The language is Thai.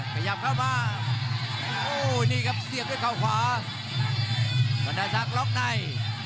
ขยับเข้ามาโอ้นี่ครับเสียบด้วยเขาขวาบรรดาศักดิ์ล็อกใน